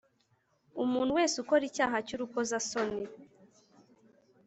Umuntu wese ukora icyaha cy urukozasoni